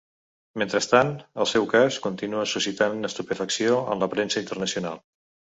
Mentrestant, el seu cas continua suscitant estupefacció en la premsa internacional.